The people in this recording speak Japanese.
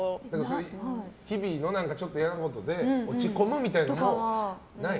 日々のちょっと嫌なことで落ち込むみたいなのはない？